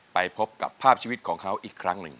ไปพบกับภาพชีวิตของเขาอีกครั้งหนึ่ง